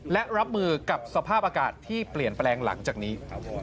และรับมือกับสภาพอากาศที่เปลี่ยนแปลงหลังจากนี้